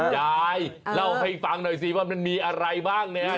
ยายเล่าให้ฟังหน่อยสิว่ามันมีอะไรบ้างเนี่ย